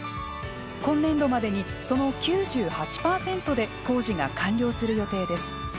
今年度までに、その９８％で工事が完了する予定です。